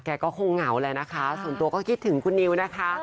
ก็คงเหงาแล้วนะคะส่วนตัวก็คิดถึงคุณนิวนะคะ